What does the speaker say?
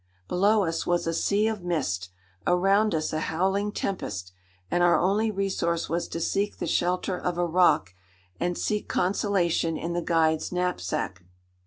Below us was a sea of mist, around us a howling tempest, and our only resource was to seek the shelter of a rock, and seek consolation in the guide's knapsack.